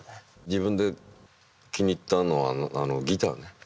自分で気に入ったのはギターね。